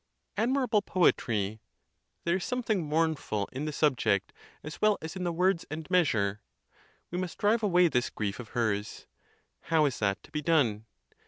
Admirable poetry! There is something mournful in the subject, as well as in the words and measure. We must drive away this grief of hers: how is that to be done?